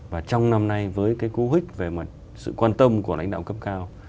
và trong năm nay với cái cố hích về mặt sự quan tâm của lãnh đạo cấp cao